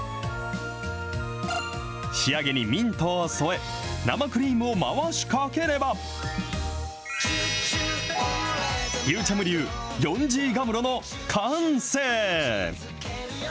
仕上げにミントを添え、生クリームを回しかければ、ゆーちゃむ流楊枝甘露の完成。